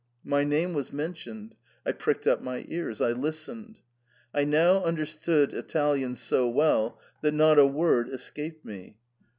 My name was mentioned ; I pricked up my ears ; I listened. I now understood Italian so well that not a word escaped me.